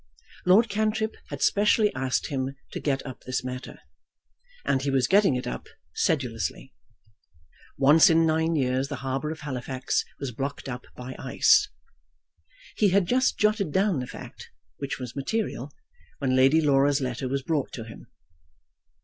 Lord Cantrip had specially asked him to get up this matter, and he was getting it up sedulously. Once in nine years the harbour of Halifax was blocked up by ice. He had just jotted down the fact, which was material, when Lady Laura's letter was brought to him.